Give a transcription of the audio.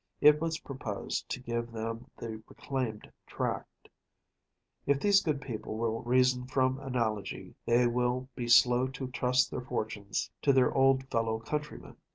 It was proposed to give them the reclaimed tract. If these good people will reason from analogy, they will be slow to trust their fortunes to their old fellow countrymen.